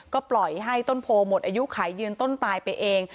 ก็ปล่อยให้ต้นโพหมดอายุไขยืนต้นตายไปเอง